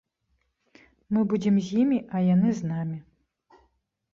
Мы будзем з імі, а яны з намі.